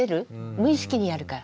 無意識にやるから。